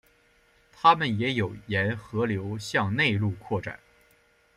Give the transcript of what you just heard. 它们也有沿河流向内陆扩展。